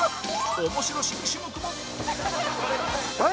面白新種目も！